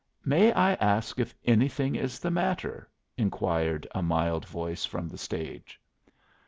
"May I ask if anything is the matter?" inquired a mild voice from the stage.